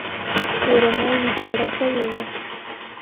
کورونه ویجاړ شوي وو.